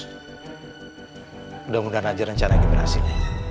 mudah mudahan ajaran caranya berhasil